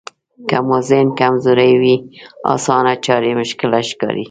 که مو ذهن کمزوری وي اسانه چارې مشکله ښکاري.